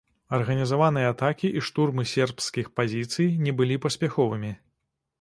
Арганізаваныя атакі і штурмы сербскіх пазіцый не былі паспяховымі.